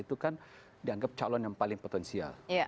itu kan dianggap calon yang paling potensial